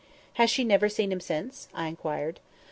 "Has she never seen him since?" I inquired.